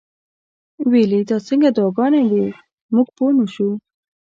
ویل یې دا څنګه دعاګانې وې موږ پوه نه شو.